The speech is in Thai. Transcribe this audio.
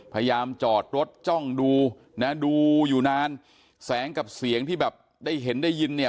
พยายามจอดรถจ้องดูนะดูอยู่นานแสงกับเสียงที่แบบได้เห็นได้ยินเนี่ย